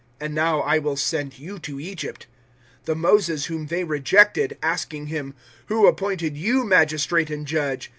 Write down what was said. And now I will send you to Egypt.' 007:035 "The Moses whom they rejected, asking him, `Who appointed you magistrate and judge?'